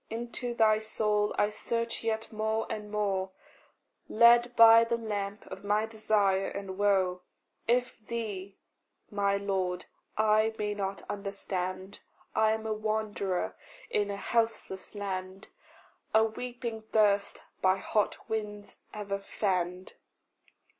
Into thy soul I search yet more and more, Led by the lamp of my desire and woe. If thee, my Lord, I may not understand, I am a wanderer in a houseless land, A weeping thirst by hot winds ever fanned.